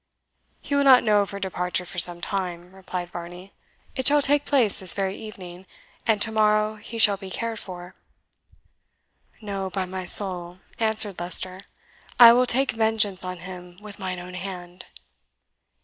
"He will not know of her departure for some time," replied Varney; "it shall take place this very evening, and to morrow he shall be cared for." "No, by my soul," answered Leicester; "I will take vengeance on him with mine own hand!"